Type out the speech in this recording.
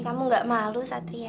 kamu nggak malu satria